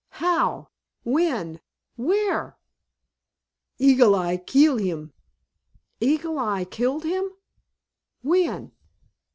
How? When? Where?" "Eagle Eye keel heem." "Eagle Eye killed him? When?"